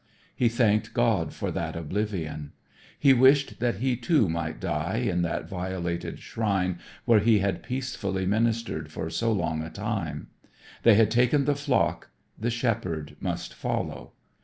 He thanked God for that oblivion. He wished that he, too, might die in that violated shrine where he had peacefully ministered for so long a time. They had taken the flock, the shepherd must follow.